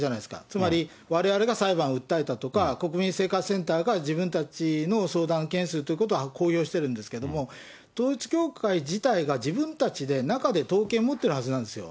つまりわれわれが裁判を訴えたとか、国民生活センターが自分たちの相談件数ということを公表してるんですけれども、統一教会自体が、自分たちで中で統計持ってるはずなんですよ。